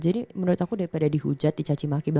jadi menurut aku daripada dihujat dicacimaki